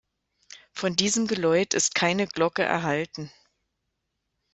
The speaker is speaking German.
Von diesem Geläut ist keine Glocke erhalten.